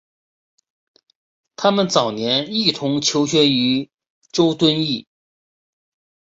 他们早年一同求学于周敦颐。